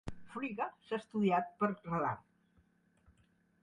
Frigga s'ha estudiat per radar.